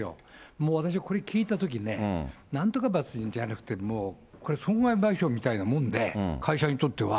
もう私、これ聞いたときね、なんとか罰じゃなくて、もうこれ損害賠償みたいなもんで、会社にとっては。